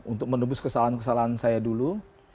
untuk menebus kesalahan kesalahan saya dulu